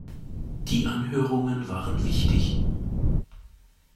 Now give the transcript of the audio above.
Die Anhörungen waren wichtig.